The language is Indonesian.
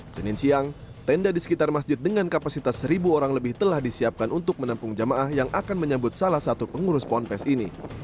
senin siang tenda di sekitar masjid dengan kapasitas seribu orang lebih telah disiapkan untuk menampung jamaah yang akan menyambut salah satu pengurus ponpes ini